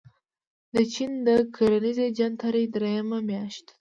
د چين د کرنیزې جنترې درېیمه میاشت ده.